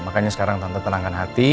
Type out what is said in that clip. makanya sekarang tanpa tenangkan hati